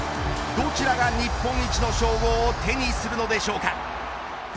どちらが日本一の称号を手にするのでしょうか。